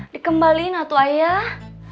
dikembalin atuh ayah